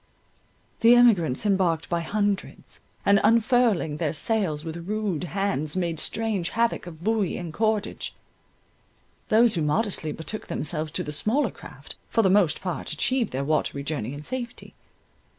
The emigrants embarked by hundreds, and unfurling their sails with rude hands, made strange havoc of buoy and cordage. Those who modestly betook themselves to the smaller craft, for the most part achieved their watery journey in safety.